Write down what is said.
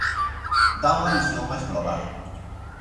Dá unha visión máis global.